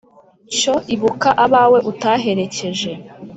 Cyo ibuka abawe utaherekeje